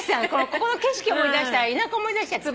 ここの景色思い出したら田舎思い出しちゃって。